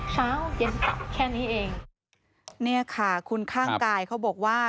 เช้าเย็นแค่นี้เองเนี่ยค่ะคุณข้างกายเขาบอกว่า